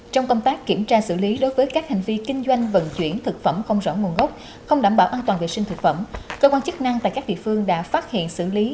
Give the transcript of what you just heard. trong công tác kiểm tra xử lý đối với các hành vi kinh doanh vận chuyển thực phẩm không rõ nguồn gốc không đảm bảo an toàn vệ sinh thực phẩm cơ quan chức năng tại các địa phương đã phát hiện xử lý